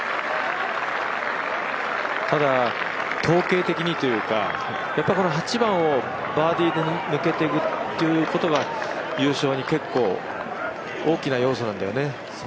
ただ統計的にというか、やっぱりこの８番をバーディーで抜けていくことが優勝に結構大きな要素なんだよね。